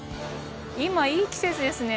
今いい季節ですね。